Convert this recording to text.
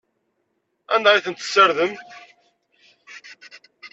Anda ay tent-tessardem?